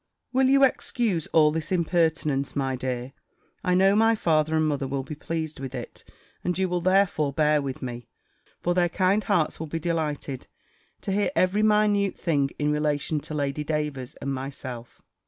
Will you excuse all this impertinence, my dear? I know my father and mother will be pleased with it; and you will therefore bear with me; for their kind hearts will be delighted to hear every minute thing in relation to Lady Davers and myself.